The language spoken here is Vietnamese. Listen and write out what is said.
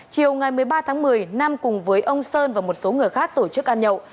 chiều ngày một mươi ba tháng một mươi nam cùng với ông sơn và một số người khác tổ chức ăn nhậu